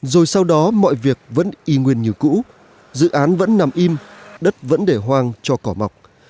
rồi sau đó mọi việc vẫn y nguyên như cũ dự án vẫn nằm im đất vẫn để hoang cho cỏ mọc